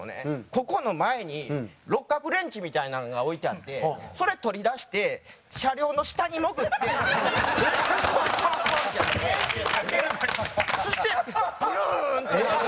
ここの前に六角レンチみたいなんが置いてあってそれ取り出して車両の下に潜ってコンコンコンコンってやってそしてブーン！ってなる。